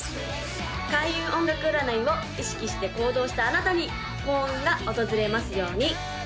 開運音楽占いを意識して行動したあなたに幸運が訪れますように！